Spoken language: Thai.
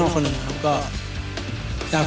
แฟนบอลชาวไทยช่วยเฉียวด้วยนะครับ